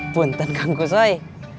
banten kang kusoy